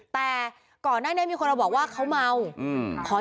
แต่ก่อนหน้านี้มีคนมาบอกว่าเขาเมาอืม